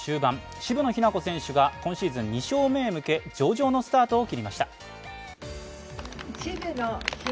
渋野日向子選手が今シーズン２勝目へ向け上々のスタートを切りました。